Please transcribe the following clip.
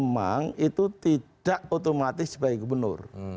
memang itu tidak otomatis sebagai gubernur